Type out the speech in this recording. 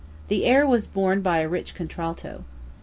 The air was borne by a rich contralto.